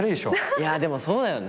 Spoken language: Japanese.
いやでもそうだよね。